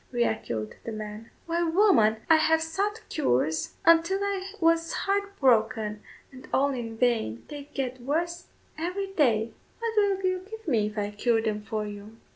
re echoed the man; "why, woman, I have sought cures until I was heart broken, and all in vain; they get worse every day." "What will you give me if I cure them for you?"